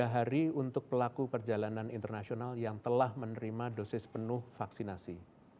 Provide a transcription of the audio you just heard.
tiga hari untuk pelaku perjalanan internasional yang telah menerima dosis penuh vaksinasi